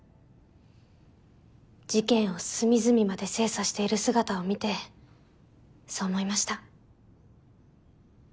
事件を隅々まで精査している姿を見てそう思いました。